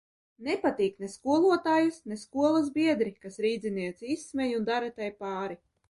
Nepatīk ne skolotājas, ne skolas biedri, kas rīdzinieci izsmej un dara tai pāri.